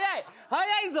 早いぞ！